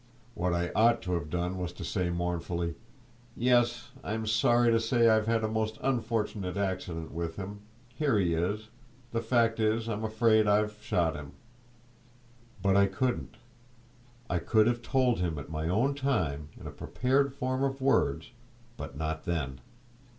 What I ought to have done was to say mournfully, "Yes, I'm sorry to say I've had a most unfortunate accident with him. Here he is; the fact is, I'm afraid I've shot him!" But I couldn't. I could have told him at my own time, in a prepared form of words—but not then.